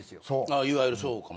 いわゆるそうかもね。